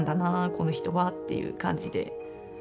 この人はっていう感じで。